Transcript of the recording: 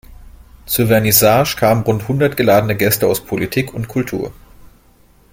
Zur Vernissage kamen rund hundert geladene Gäste aus Politik und Kultur.